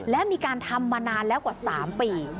และมีการทำมานานแล้วกว่า๓ปี